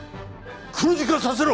黒字化させろ！